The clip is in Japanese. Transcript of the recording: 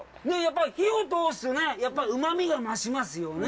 火を通すと、うまみが増しますよね。